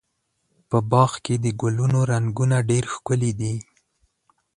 په باغ کې د ګلونو رنګونه ډېر ښکلي دي.